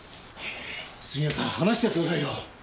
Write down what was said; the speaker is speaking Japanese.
杉浦さん話してやってくださいよ！